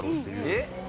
えっ？